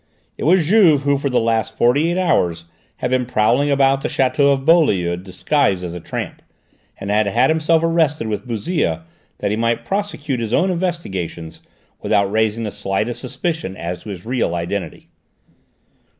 It was Juve who for the last forty eight hours had been prowling about the château of Beaulieu disguised as a tramp, and had had himself arrested with Bouzille that he might prosecute his own investigations without raising the slightest suspicion as to his real identity.